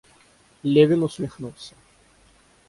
Левин усмехнулся.